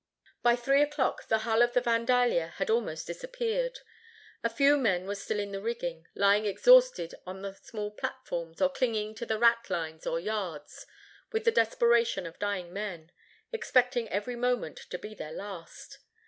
By three o'clock the hull of the Vandalia had almost disappeared. A few men were still in the rigging, lying exhausted on the small platforms or clinging to the rat lines or yards with the desperation of dying men, expecting every moment to be their last.